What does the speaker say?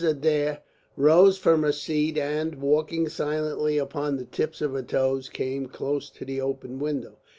Adair rose from her seat and, walking silently upon the tips of her toes, came close to the open window.